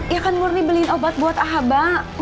ya kan murni beliin obat buat ahabang